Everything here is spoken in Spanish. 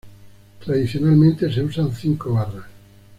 Tradicionalmente se usan cinco barras.